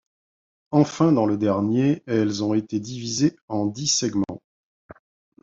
Enfin, dans le dernier, elles ont été divisées en dix segments.